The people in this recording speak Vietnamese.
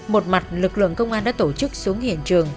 một mặt lực lượng công an đã tổ chức xuống hiện trường